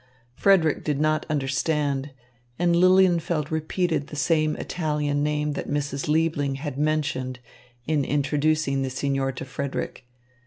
Frederick did not understand, and Lilienfeld repeated the same Italian name that Mrs. Liebling had mentioned in introducing the signor to Frederick.